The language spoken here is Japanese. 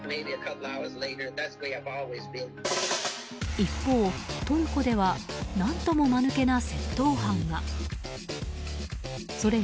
一方、トルコでは何とも間抜けな窃盗犯が。